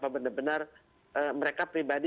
benar benar mereka pribadi